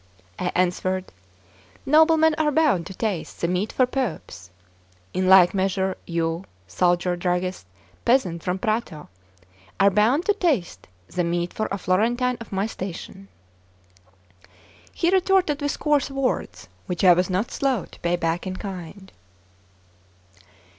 I answered: "Noblemen are bound to taste the meat for Popes; in like measure, you, soldier, druggist, peasant from Prato, are bound to taste the meat for a Florentine of my station." He retorted with coarse words, which I was not slow to pay back in kind.